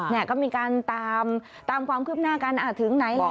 เนี่ยก็มีการตามความคืบหน้ากันถึงไหนล่ะ